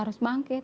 ya harus bangkit